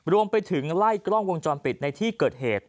รวมไปถึงไล่กล้องวงจรปิดในที่เกิดเหตุ